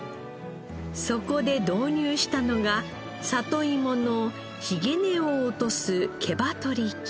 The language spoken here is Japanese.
そこで導入したのが里いものひげ根を落とす毛羽取機。